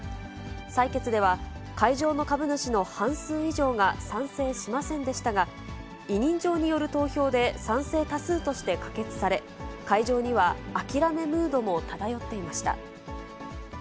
採決では、会場の株主の半数以上が賛成しませんでしたが、委任状による投票で賛成多数として可決され、会場には諦めムードも漂っていました。